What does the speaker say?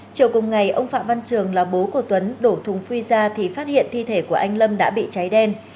chiều cùng ngày ông phạm văn trường là bố của tuấn đổ thùng phi ra thì phát hiện thi thể của anh lâm đã bị cháy đen